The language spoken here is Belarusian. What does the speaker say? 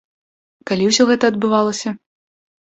Калі ўсё гэта адбывалася?